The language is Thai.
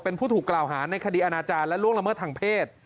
เป็นผู้ถูกกล่าวหาในคดีอาณาจารย์และล่วงละเมิดทางเพศ